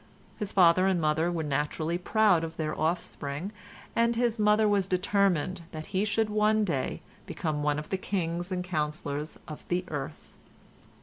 His father and mother were naturally proud of their offspring, and his mother was determined that he should one day become one of the kings and councillors of the earth.